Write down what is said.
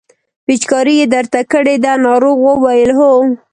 پېچکاري یې درته کړې ده ناروغ وویل هو.